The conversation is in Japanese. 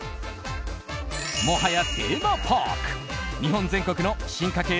もはやテーマパーク日本全国の進化系